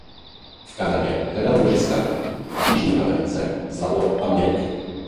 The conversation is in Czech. V Kanadě hledal ložiska rud a v jižní Americe zlato a měď.